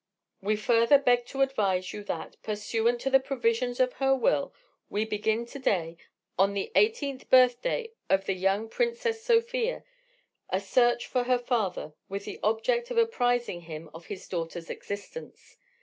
We further beg to advise that, pursuant to the provisions of her will, we begin to day, on the eighteenth birthday of the young Princess Sofia, a search for her father with the object of apprising him of his daughter's existence.